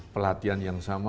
pelatihan yang sama